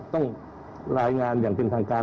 ต้องรายงานอย่างเป็นทางการ